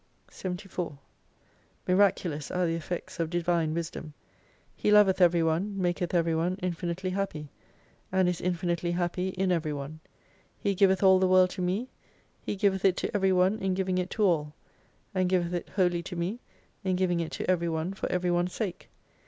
74 Miraculous are the effects of Divine Wisdom. He loveth every one, maketh every one infinitely happy : and is infinitely happy in every one. He giveth all the world to me, He giveth it to every one in giving it to all, and giveth it wholly to me in giving it to every one for every one's sake.